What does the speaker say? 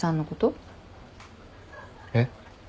えっ？